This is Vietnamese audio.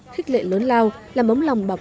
khích lệ lớn lao làm ấm lòng bà quân